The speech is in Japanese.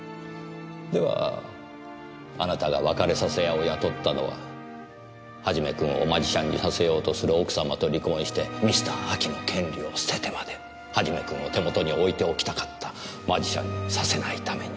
ではあなたが別れさせ屋を雇ったのは元君をマジシャンにさせようとする奥様と離婚してミスター・アキの権利を捨ててまで元君を手元に置いておきたかったマジシャンにさせないために。